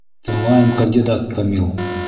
Тыңлайым, кандидат Камил!